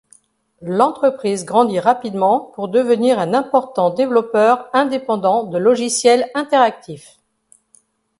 L'entreprise grandit rapidement pour devenir un important développeur indépendant de logiciel interactif.